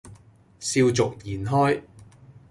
笑逐言開